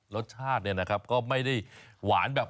รสชาติเนี่ยนะครับก็ไม่ได้หวานแบบ